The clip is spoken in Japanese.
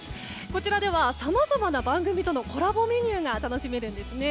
こちらではさまざまな番組とのコラボメニューが楽しめるんですね。